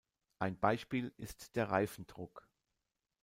Ein Beispiel ist der Reifendruck.